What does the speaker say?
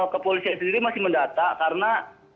kepolisian sendiri masih mendata karena